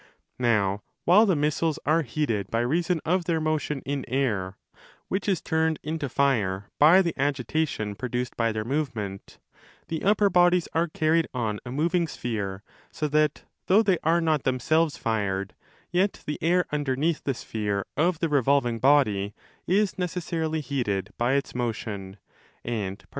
Now while the missiles are heated by reason of their motion in air, which is turned into fire by the agitation produced by their movement,' the upper bodies are carried on a moving sphere, so that, though they are not themselves fired, yet the air underneath 30 the sphere of the revolving body is necessarily heated by its * i.